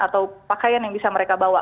atau pakaian yang bisa mereka bawa